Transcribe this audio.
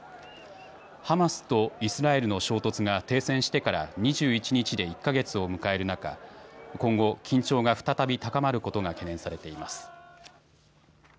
ハマスとイスラエルの衝突が停戦してから２１日で１か月を迎える中、今後、緊張が再び高まることが懸念されています。